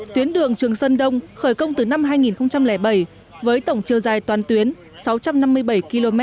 tuyến đường trường sơn đông khởi công từ năm hai nghìn bảy với tổng chiều dài toàn tuyến sáu trăm năm mươi bảy km